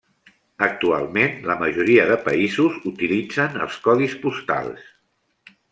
Actualment la majoria de països utilitzen els codis postals.